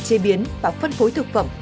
chế biến và phân phối thực phẩm